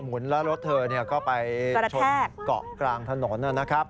หุนแล้วรถเธอก็ไปชนเกาะกลางถนนนะครับ